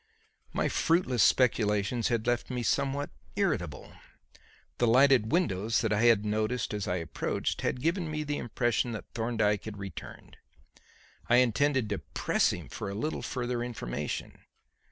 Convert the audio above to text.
My fruitless speculations had left me somewhat irritable. The lighted windows that I had noticed as I approached had given me the impression that Thorndyke had returned. I had intended to press him for a little further information.